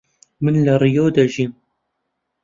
من لە ڕیۆ دەژیم.